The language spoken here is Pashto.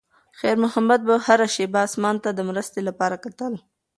خیر محمد به هره شېبه اسمان ته د مرستې لپاره کتل.